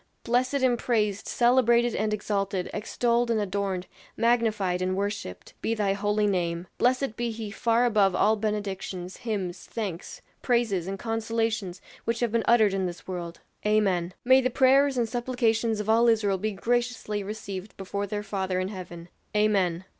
"Blessed and praised, celebrated and exalted, extolled and adorned, magnified and worshipped, be thy holy name; blessed be he far above all benedictions, hymns, thanks, praises, and consolations which have been uttered in this world." "Amen!" "May the prayers and supplications of all Israel be graciously received before their Father in heaven." "Amen."